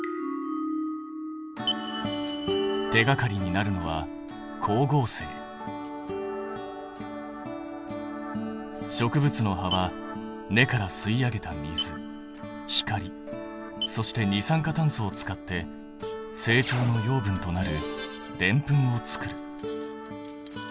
手がかりになるのは植物の葉は根から吸い上げた水光そして二酸化炭素を使って成長の養分となるデンプンを作る。